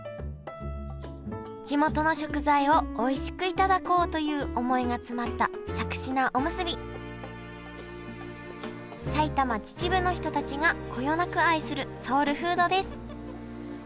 地元の食材をおいしくいただこうという思いが詰まったしゃくし菜おむすび埼玉・秩父の人たちがこよなく愛するソウルフードです